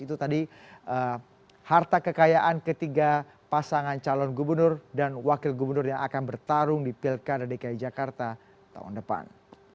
itu tadi harta kekayaan ketiga pasangan calon gubernur dan wakil gubernur yang akan bertarung di pilkada dki jakarta tahun depan